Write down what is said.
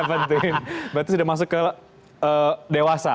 berarti sudah masuk ke dewasa